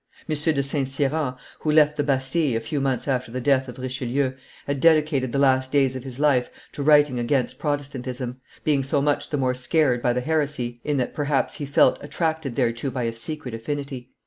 M. de St. Cyran, who left the Bastille a few months after the death of Richelieu, had dedicated the last days of his life to writing against Protestantism, being so much the more scared by the heresy in that, perhaps, he felt himself attracted thereto by a secret affinity.